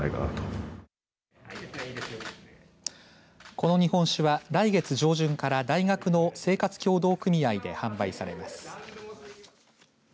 この日本酒は来月上旬から大学の生活協同組合で販売されます。